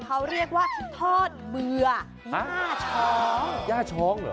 เขาเรียกว่าทอดเบื่อย่าช้อง